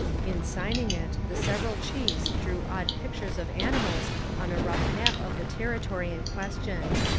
In signing it the several chiefs drew odd pictures of animals on a rough map of the territory in question.